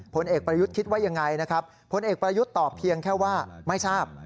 ผลเอกประยุทธ์คิดว่ายังไงนะครับผลเอกประยุทธ์ตอบเพียงแค่ว่าไม่ทราบ